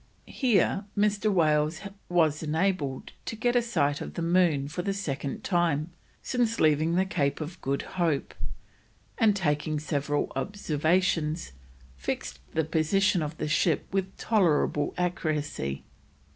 Here Mr. Wales was enabled to get a sight of the moon for the second time since leaving the Cape of Good Hope, and, taking several observations, fixed the position of the ship with tolerable accuracy.